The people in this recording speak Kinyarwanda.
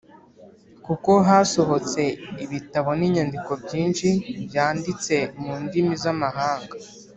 kuko hasohotse ibitabo n’inyandiko byinshi byanditse mu ndimi z’amahanga